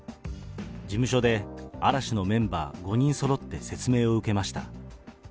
事務所で、嵐のメンバー５人そろって説明を受けました。